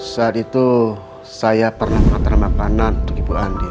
saat itu saya pernah mengatakan makanan untuk ibu andin